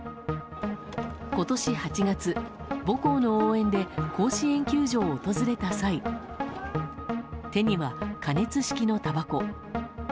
今年８月、母校の応援で甲子園球場を訪れた際手には、加熱式のたばこ。